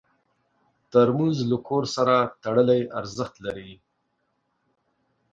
ترموز له کور سره تړلی ارزښت لري.